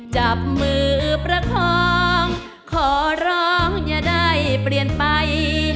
จับมือประคองขอร้องอย่าได้เปลี่ยนไป